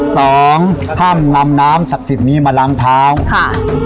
สองห้ามนำน้ำศักดิ์สิทธิ์นี้มาล้างเท้าค่ะ